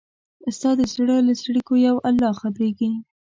ستا د زړه له څړیکو یو الله خبریږي